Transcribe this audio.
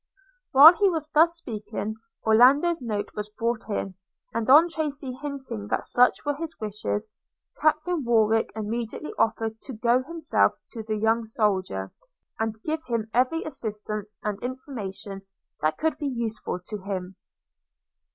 While he was thus speaking, Orlando's note was brought in; and on Tracy hinting that such were his wishes, Captain Warwick immediately offered to go himself to the young soldier, and give him every assistance and information that could be useful to him.